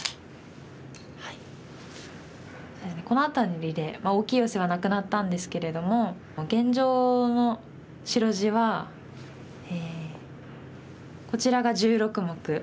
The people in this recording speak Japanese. そうですねこの辺りで大きいヨセはなくなったんですけれども現状の白地はこちらが１６目。